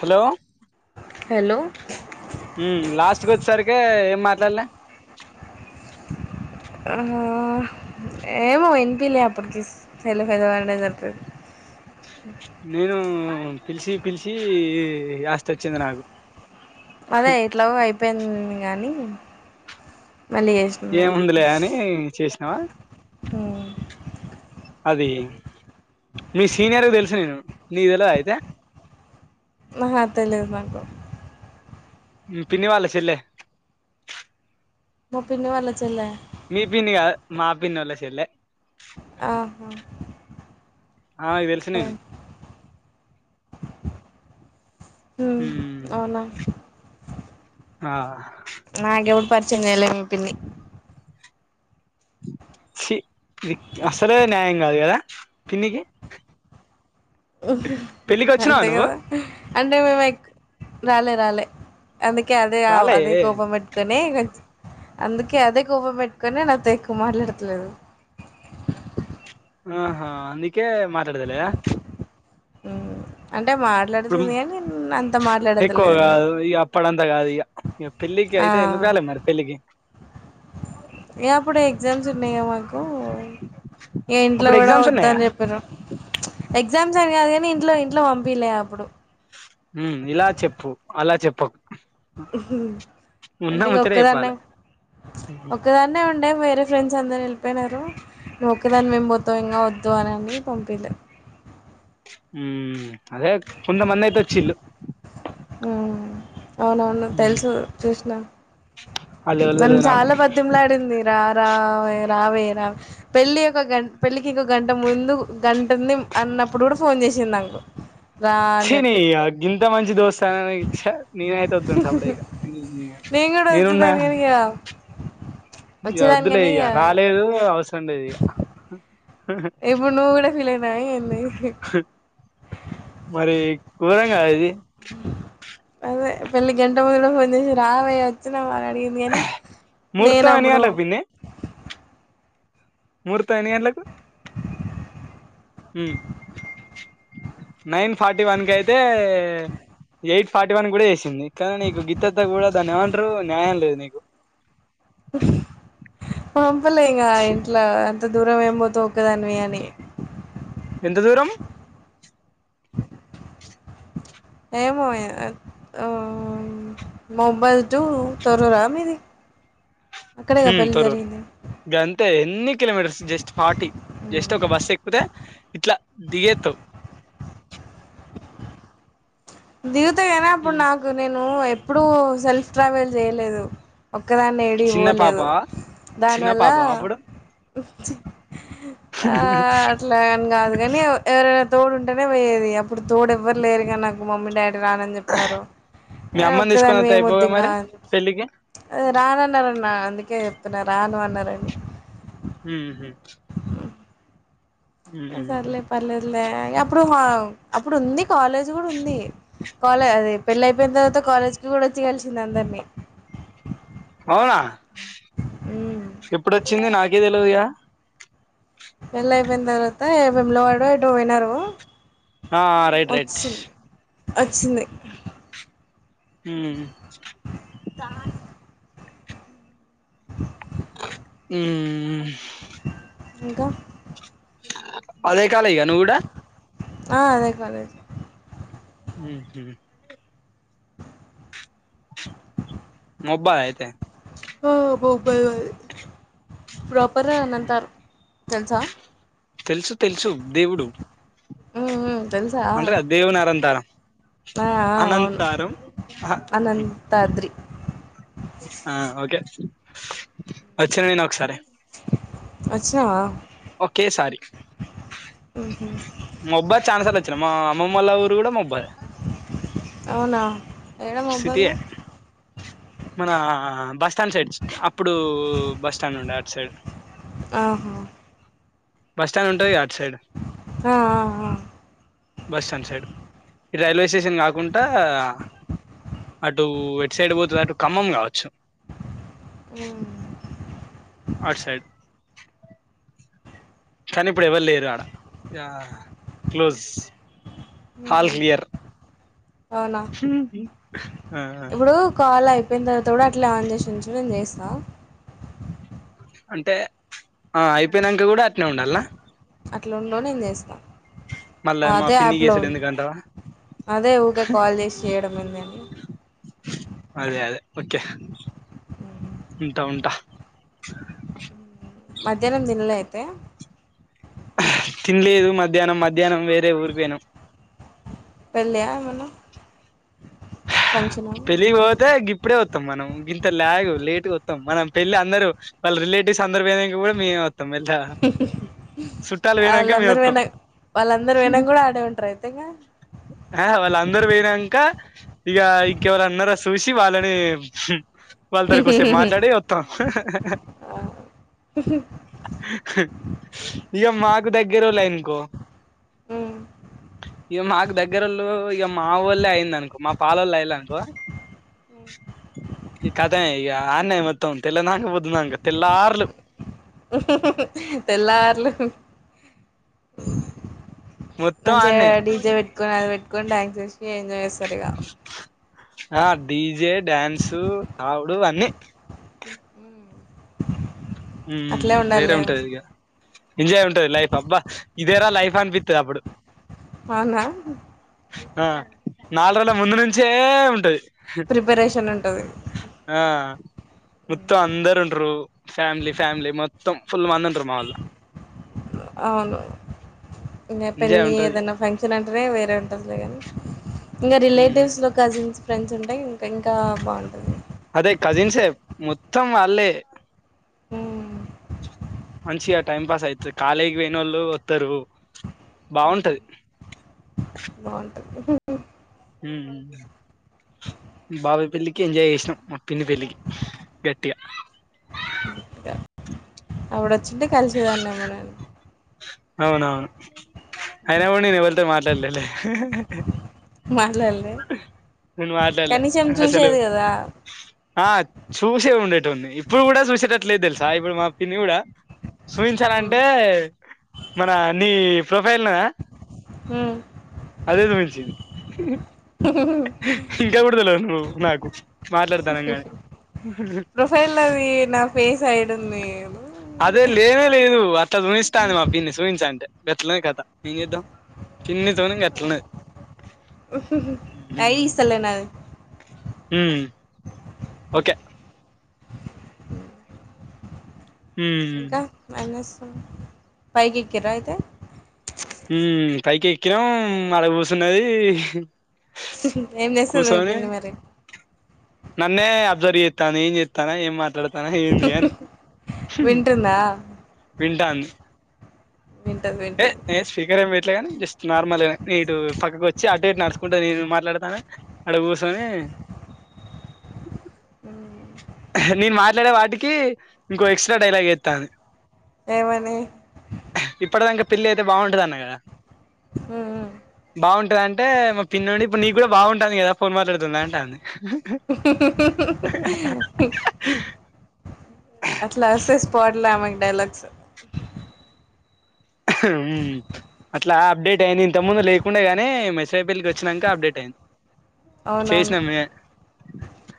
Hello hello ఉమ్ last కొచ్చేసరికె ఏం మాట్లాడలే ఆహా ఏమో ఇనిపిలే అప్పుడికి సెలు పెద వాల్ నే జెప్పిరు ఆ పిలిచి పిలిచి యాస్ట వచ్చింది నాకు అదే ఎట్లాగో అయిపోయింది గాని మళ్ళీ చేసిన నేను. ఏముందిలే అని చేసినావా ఉమ్ అది మీ సీనియర్ కి తెలుసు నేను, నీకు తెల్వద అయితే అహా తెలిదు నాకు మీ పిన్ని వాళ్ళ సెల్లే మా పిన్ని వాళ్ళ చెల్లె మీ పిన్ని కాదు మా పిన్నోల్ల చేల్లే ఆహా ఆమెకి తెలుసు నేను ఉమ్ అవునా? ఆ నాగెప్పుడు పరిచం చేయలె మీ పిన్ని చి అసలే న్యాయం కాదు కదా పిన్నికి ఉహు పెళ్ళికి వచ్చినావా అంతే నువ్వు కదా, అంటే మేమెక్ రాలే రాలే అందుకే అదే ఆ రాలే అదే కోపం పెట్కొని నే ఎత్ అందుకే అదే కోప్పం పెట్టుకొని నాతో ఎక్కువ మాట్లాడట్లేదు [unintelligible] ఆహా అందుకే మాట్లాడత లేదా? హ్మ్. అంటే తుమ్ మాట్లాడుతుంది గానీ అంత ఎక్కువ మాట్లాడతలేదు ఇంగ. కాదు ఇగ అప్పడంత కాదు ఇగ, ఇగ పెళ్లికి అయి ఆ! అయితే ఎందుకు రాలే మరి పెళ్ళకి? ఇగ అప్పుడు ఎగ్జామ్స్ ఉండే ఇగ మాకు ఇగ ఇంట్లో అప్పుడు కూడా ఎగ్జామ్స్ వద్దా ఉన్నాయా అని చెప్పిరు, ప్చ్ ఎగ్జామ్స్ అని కాదు కనీ ఇంట్లో ఇంట్లో పంపిలే అప్ ప్పుడు ఉమ్ ఇలా చెప్పు అలా చెప్పకు. ఉన్న అంటే ఇగ ముచ్చట ఒక్కదాన్నే చెప్పాలే ఒక్కదాన్నే ఉం టే వేరే ఫ్రెండ్స్ అందరు ఎల్లిపోయినారు. నువ్వు ఒక్కదానివేం పోతవింగ వద్దు అనని పంపిలే ఉమ్ అదే కొంత మందయితే వచ్చిల్లు ఉమ్ అవునవును ఉమ్ తెలుసు చూసినా వాళ్ళు ఎవలో నన్ను తెల్వదు నాకు చాలా బదిమలాడింది రా రా వే రావే రావే పెళ్ళి ఒక గం పెళ్ళికి ఇంకో గంట ముందు గంటుంది అన్నప్పుడు కూడా ఫోన్ చేసింనాకు చీ నీయ గింత మంచి దోస్ స్త చ్చ నేనయితే వద్దను సబుడేక నేయ నేను కూడా నేనున్నా వచ్చేదాన్ని కానీ ఇక ఇగ వచ్చేదాన్ని వద్దులే కానీ ఇగ ఇక రాలేదు అవసరం లేదు ఇగ ఇప్పుడు నువ్వు గుడ ఫీల్ అయినవ ఏంది? మరి ఘోరం కాదా ఇది అదే పెళ్లికి గంట ముందు ఫోన్ చేసి రావే వచ్చినవానే అడిగింది గని ముర్తం ఎన్ని గంటలకు పిన్ని ముర్తం ఎన్ని గంటలకు? ఉమ్ నైన్ ఫార్టీ వన్ కయితే ఎయిట్ ఫార్టీ వన్ గుడ చేసింది కనీ నీకు గింతంత కూడా దాన్ని ఏమంటరూ న్యాయం లేదు నీకు. పంపలే ఇంగ ఛీ ఇంట్ల అంత దూరం ఏం పోతవ్ ఒక్ ఒక్కదానివే అని ఎంత దూరం ఏమో ఆ మోహబాద్ తొర్రూర మీది అక్కడేగా హ్మ్. పెళ్ళి తొర్రూరు. జరిగింది గంతే ఎన్ని కిలోమీటర్స్ జస్ట్ ఫార్టీ జస్ట్ ఒక బస్సు ఎక్కితే ఇట్లా దిగేత్తవు దిగుత కానీ అప్పుడు హ్మ్. నాకు నేను ఎప్పుడూ సెల్ఫ్ ట్రావెల్ చేయలేదు ఒక్కదాన్ని ఏడికి చిన్న పాప, పోలేదు చిన్న దానివల్ల పాపవా అప్పుడు? ఆ అట్లా అని కాదు కాని ఎవరైనా తోడుంటేనే పోయేది అప్పుడు తోడు ఎవ్వర్లేరు మమ్మీ డాడీ రానని చెప్పినారు మీ అమ్మని ఒక్కదానివీ తీసుకొనొత్తే ఏము వద్దు అయిపోవుగా ఇంగా మరి అని పెళ్ళికి. అది రాను అన్నారన్న అందుకే చెప్తున్న రాను అన్నారని హ సర్లే పర్లేదులే అప్పుడు అప్పుడు ఉంది కాలేజ్ కూడా ఉంది కాలేజ్ అదే పెళ్ళియిపోయిన తర్వాత కాలేజ్ కి కూడా వచ్చి కలిసింది అందరినీ అవునా ఉమ్ ఇప్పుడొచ్చింది నాకే తెలవదిగా పెళ్లి అయిపోయిన తర్వాత వేములవాడో ఎటో పోయినారు ఆ రైట్ రైట్ వచ్చింది వచ్చింది హ్మ్ హ్మ్ ఇంకా అదే కాలేజ్ ఆ నువ్వు గూడా ఆ అదే కాలేజ్ ఊ హ్మ్ నోబ్బా అయితే [unintelligible] ప్రాపర్ ఏ అని హ్మ్. అంటారు తెలుసా తెలుసు తెలుసు దేవుడు ఊ హు అంట్ర దేవనార అంతార ఆ అవును అనంతరం అనంతాద్రి ఆ ఓకే వచ్చాను నేను ఒకసారి వచ్చినవ ఓకే సారీ ఉహు నోబ్బా చానా సార్లు వచ్చిన మా అమ్మమ ల ఊరు కూడా నోబ్బా అవునా ఎడ నోబ్బా లో సిటీయే మన బస్ స్టాండ్ సైడ్ అప్పుడు బస్ స్టాండ్ ఉండే అటు సైడ్ ఆహ బస్ స్టాండ్ ఉంటది గా అటు సైడ్ ఆ ఆ ఆ బస్ స్టాడ్ సైడ్ ఇటు రైల్వే స్టేషన్ కాకుంటా అటు ఏట్ సైడ్ పోతుంది అటు ఖమ్మం కావచ్చు ఊ ఆ సైడ్ కానీ ఇప్పుడు ఎవరు లేరా యా క్లోజ్ ఊహు హాల్ క్లియర్ అవునా ఆ ఇబుడు కాల్ అయ్ పిందతోడ అట్ల ఆన్ చేసించు నేను చేస్త అంటే ఆ అయిపోయినంక కూడా అట్నే ఉండల్నా? అట్లొండో నేను చేస్తా. మళ్ళా మా అదే పిన్ని యాప్లో చేసుడు ఉండు ఎందుకంటావా? అదే ఊకే కాల్ చేసి చేయడం ఏందని అదే అదే ఓకే హ్మ్. ఉంటా ఉంటా మధ్యానం దిన్లే అయితే తిన్లేదు మధ్యానం మధ్యానం వేరే ఊరికి పొయినాం పెళ్ళియామన్న? పెళ్ళికి పోతే గిప్డే వ మనం గింత లాగు లేట్గా వత్తాం మనం పెళ్లి అందరు వాళ్ళ రిలేటివ్స్ అందరు పోయినంక కూడా మేమే వత్ పోయినంక మేము ఆళ్ళందరు వత్తాం పొయినం వాళ్ళందరూ పొయినంక కూడా ఆడే ఉంటారు అంతేగా ఆ వాళ్ళందరూ పొయినంక ఇక ఇకెవరన్నర సూసి వాళ్ళని వాళ్ళతోటి కాసేపు మాట్లాడి వత్తాం ఇక మాకు దగ్గరోల్లే అనుకో మ్ ఇక మాకు దగ్గరోళ్ళు ఇక మావోళ్ళయిందనుకో మా పాలోళ్ళు అయ్యిల్లనుకో ఉ ఈ కథ ఇక ఆడ్నే మొత్తం తెల్ల నాంగ పోద్దున్నాంగ తెల్లార్లు తెల్లార్లు మొత్తం మంచిగా ఆన్నే డీజే పెట్కొ అది పెట్కొ డ్యాన్స్ చేసి ఎంజాయ్ చేస్ ఆ డీజే డ్యాన్సు తావుడు అన్నీ ఉమ్ ఉమ్ అట్లే ఉ వేరే ఉండాలిలే ఉంటాది ఇగ ఎంజాయ్ ఉంటది లైఫ్ అబ్బా ఇదేరా లైఫ్ అనిపిత్తది అప్పుడు అవునా? నాల్రోజుల ముందు నుంచే ఉంటది ప్రిపరేషన్ ఉంటది ఆ మొత్తం అంద్ అందరు ఉంటరు ఫ్యామిలీ ఫ్యామిలీ మొత్తం ఫుల్ మంద ఉంటరు మావోళ్ళు అవును ఇంకా ఎంజాయ్ పెళ్ళి ఉంటది ఏదైనా ఫంక్షన్ అంటేనే వేరే ఉంటదిలే గానీ ఇంకా మ్మ్ రిలేటివ్స్లో కజిన్స్ ఫ్రెండ్స్ ఉంటే ఇంకా బాగుంటుంది అదే కజిన్సే మొత్తం వాళ్ళే ఊ మంచిగా టైమ్ పాస్ ఐతు కాలేజ్ పొయ్నోళ్ళు వత్తరు మ్మ్. బాగుంటది బాగుంటుంది ఉమ్ ఉమ్ బాబాయ్ పెళ్ల్ళికి ఎంజాయ్ చేసినాం మా పిన్ని పెళ్ళికి గట్టిగా ఇంకా అవిడ ఒచ్చింటే కలిశెదాన్నేమో నేన్ అవునా అయిన గుడా నేన్ ఎవరితో మాట్లాడలేలే మాట్లాడలే నెన్ మాట్లడ్లే కనీసం అసలు చూసేది కదా ఆ చూసే ఉండేటోన్ని ఇప్పుడు గుడా చూసేటట్లేదు తెల్సా ఇప్పుడు మా పిన్ని కూడా మ్మ్. సూయించాలంటే మనా నీ ప్రొఫైల్ ఉన్నదా మ్ దేడా మించింది ఇంకాకూడా తెల్వదు నువ్వు నాకు మాట్లాడతానం గాని ప్రొఫైల్ లొ అదీ నా ఫేసైడ్ ఉంది అదే లేనే లేదు ఎట్లా చూనిస్తాది మా పిన్ని చూయించు అంటే గట్లఉంది కథ ఏం చేద్దాం పిన్ని తోని గట్లున్నది మ్ ఐడి ఇస్తలే నాది మ్ మ్ ఓకే హ్మ్ ఇంకా ఏంచేస్తున్న పైకి ఎక్కిర్ర అయితే మ్ పైకెక్కినం ఆడ కూసున్నది ఏం చేస్తుంది మీ కూసోని పిన్ని మరి నన్నే అబ్జర్ చేత్తాంది ఏన్ చేతన్న ఏం మాట్లాడత తన ఏంది అని వింటుందా వింటాంది వింటది ఏ వింటది ఏ స్పీకర్ ఎంపె అట్ ని జస్ట్ నార్మల్ గా నే ఇటు పక్కకు ఒచ్చి అటు ఇటు నడుచుకుంటా నేను మాట్లాడతాన అడ కూసోనీ ఉ నేన్ మాట్లాడే వాటికీ ఇంకో ఎక్స్ట్రా డైలాగ్ ఏత్తాంది ఏమని ఇప్పడ్దంక పిళ్లి అయితే బాగుంటుంది అన్నగద మ్ మ్ బాగుంటదంటే మా పిన్న నుండి ఇప్పు నీ కూడా బాగుంటాంది గదా ఫోన్ మాట్లాడుతుంటే అంటాంది ఉహు...... అట్లా ఒస్సయ్ స్పాట్లా ఆమెక్ డైలాగ్స్ అట్లా అప్డేట్ అయింది ఇంత ముందు లేకుండా గానే మెస్రాయిపల్లికి ఒచ్చినంక అప్డేట్ అయింది ఔనౌను చేసినాం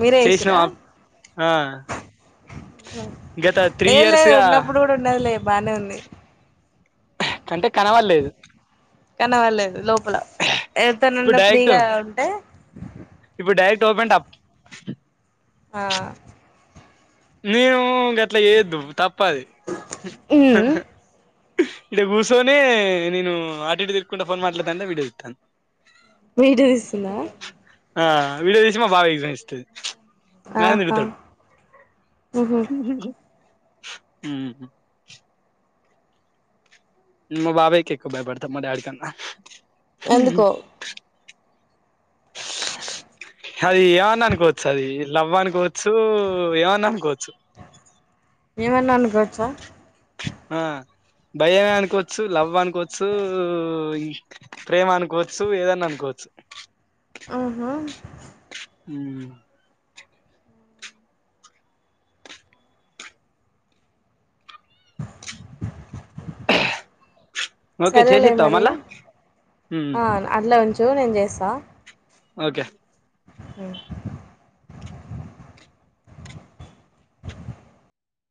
మీరే చేసినాం ఏశిరా ఆ గత త్రీ ఏ ఇయర్స్ లేదు గా ఉన్నప్పుడు గుడా ఉన్నది లే బానే ఉంది కంటే కనవల్లేదు కనవల్లేదు లోపల ఎతనన్న ఫ్రీగా ఉంటే ఇప్పుడ్ డైరెక్ట్ ఓపెంటప్ ఆ మేము గట్ల చేయోద్దు తప్పది మ్మ్ ఇడ గూసోనీ నేను అటు ఇటు తిరుకుంట ఫోన్ మాట్లాడతుంట వీడియో తీతాంది వీడియో తీస్తుందా ఆ వీడో తీసి మాబాబాయ్ కి సూయిస్తది ఆహా మ్మ్ హు మ్ మా బాబాయికి ఎక్కువ భయపడతా మా డాడీ కన్నా ఎందుకో అది ఏమన్నా అనుకోవచ్చు అది లవ్ అనుకోవచ్ ఏమైన్నా అనుకోవచ్చా ఆ భయమే అనుకోవచ్చు, లవ్ అనుకోవచ్చు, ఈ ప్రేమ అనుకోవచ్చు, ఏదన్నా అనుకోవ చ్చు. ఆహా! హుమ్ ఓకే సరేలే చేసేస్తావా మరి మళ్ళా ఉమ్, ఆ అట్లా ఉంచ్ ఉండు నేన్ చేస్తా. ఓకే హ్మ్